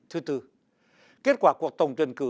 thứ tư kết quả cuộc tổng tuyển cử